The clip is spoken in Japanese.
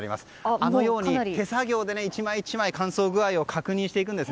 あのように手作業で１枚１枚乾燥具合を確認していくんです。